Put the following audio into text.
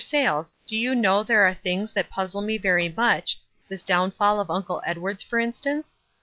Sayles, do you know there are things that puzzle me very much ; this downfall of Uncle Edward's, for instance?